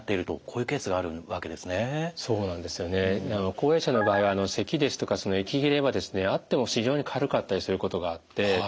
高齢者の場合はせきですとか息切れはあっても非常に軽かったりすることがあって。